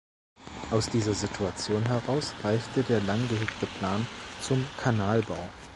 Aus dieser Situation heraus reifte der lang gehegte Plan zum Kanalbau.